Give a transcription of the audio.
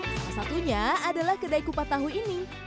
salah satunya adalah kedai kupat tahu ini